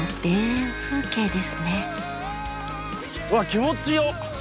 うわっ気持ちよっ！